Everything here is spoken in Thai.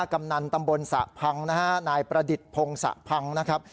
กำนันตำบลสระพังนะฮะนายประดิษฐ์พงศะพังนะครับ